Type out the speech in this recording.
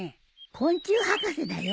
昆虫博士だよ。